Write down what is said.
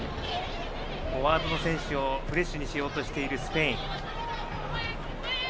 フォワードの選手をフレッシュにしようとしているスペイン。